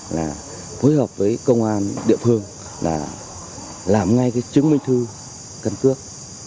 là phối hợp với công an địa phương là làm ngay cái chứng minh thư căn cước